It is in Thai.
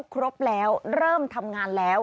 ครบแล้วเริ่มทำงานแล้ว